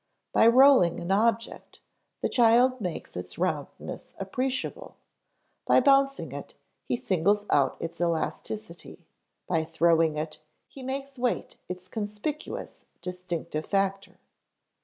By rolling an object, the child makes its roundness appreciable; by bouncing it, he singles out its elasticity; by throwing it, he makes weight its conspicuous distinctive factor.